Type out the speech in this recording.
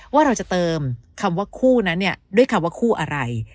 ว่าเราจะเติมคำว่าคู่นั้นเนี่ยด้วยคำว่าคู่อะไร